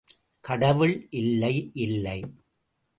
கடவுள் இல்லை, இல்லை.